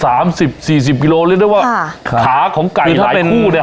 สามสิบสี่สิบกิโลเรียกได้ว่าขาของไก่ทั้งคู่เนี้ย